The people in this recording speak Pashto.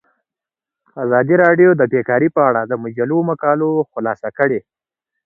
ازادي راډیو د بیکاري په اړه د مجلو مقالو خلاصه کړې.